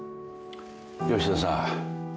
吉田さん